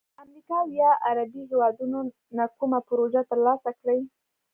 د امریکا او یا عربي هیوادونو نه کومه پروژه تر لاسه کړي،